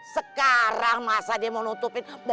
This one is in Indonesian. sekarang masa dia mau nutupin